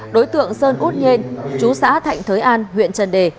đối tượng sơn út nhên chú xã thạnh thới an huyện trần đề